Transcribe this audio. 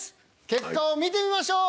結果を見てみましょう。